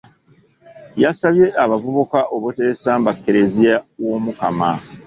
Yasabye abavubuka obuteesamba Kkereziya w’Omukama.